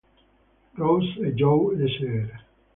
Rose e Joe Sr.